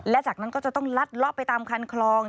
และจากนั้นก็จะต้องลัดเลาะไปตามคันคลอง